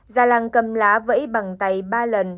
gia lang cầm lá vẫy bằng tay ba lần